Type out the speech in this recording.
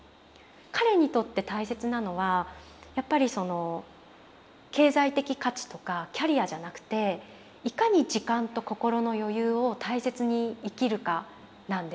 彼にとって大切なのはやっぱりその経済的価値とかキャリアじゃなくていかに時間と心の余裕を大切に生きるかなんですよ。